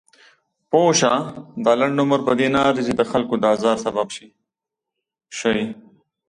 پوهه شه! دا لنډ عمر پدې نه ارزي چې دخلکو د ازار سبب شئ.